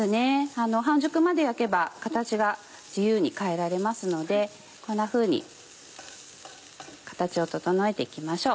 半熟まで焼けば形が自由に変えられますのでこんなふうに形を整えて行きましょう。